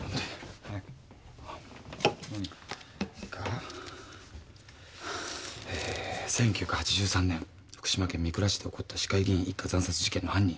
いいかえー「１９８３年福島県御倉市で起こった市会議員一家惨殺事件の犯人